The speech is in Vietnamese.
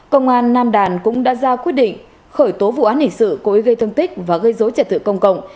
công an nam đàn cũng đã ra quyết định khởi tố vụ án hình sự cố ý gây thương tích và gây dối trật tự công cộng